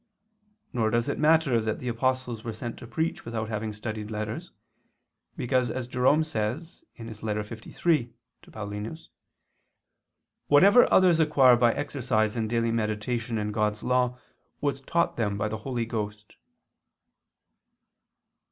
Nor does it matter that the apostles were sent to preach without having studied letters, because, as Jerome says (Ep. liii ad Paulin.), "whatever others acquire by exercise and daily meditation in God's law, was taught them by the Holy Ghost."